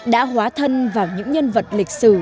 đã hóa thân vào những nhân vật lịch sử